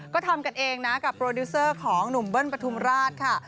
ก็ทำกันเองนะกับโปรดิวเซอร์ของหนุ่มเบิ้ลปฐุมราชค่ะ